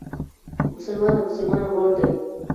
مسلمان د مسلمان ورور دئ.